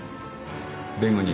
弁護人。